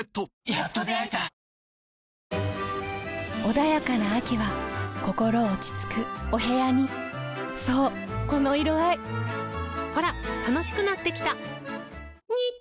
穏やかな秋は心落ち着くお部屋にそうこの色合いほら楽しくなってきた！